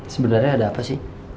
sebenernya ada apa sih